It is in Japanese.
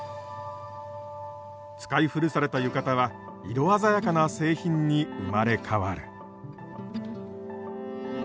使い古された浴衣は色鮮やかな製品に生まれ変わる。